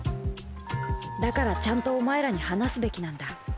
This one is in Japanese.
だからちゃんとお前らに話すべきなんだ。